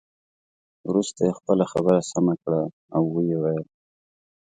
وروسته یې خپله خبره سمه کړه او ويې ویل.